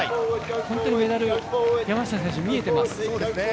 本当にメダル、山下選手見えています。